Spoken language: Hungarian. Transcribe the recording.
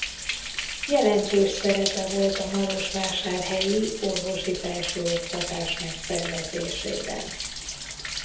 Jelentős szerepe volt a marosvásárhelyi orvosi felsőoktatás megszervezésében.